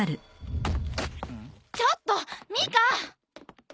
ちょっとミカ！